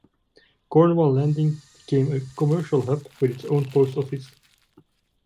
Cornwall Landing became a commercial hub with its own post office.